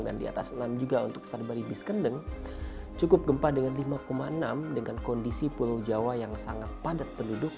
dan di atas enam juga untuk kesar baribis kendeng cukup gempa dengan lima enam dengan kondisi pulau jawa yang sangat padat penduduk